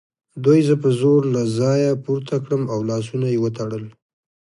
دوی زه په زور له ځایه پورته کړم او لاسونه یې وتړل